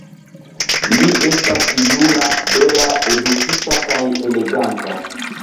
Li estas juna, bela, edukita kaj eleganta.